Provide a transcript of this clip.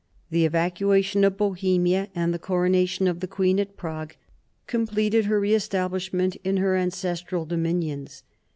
The evacuation of Bohemia and the coronation of the queen at Prague completed her re establish ment in her ancestral dominions.